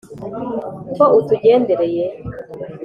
ko utugendereye”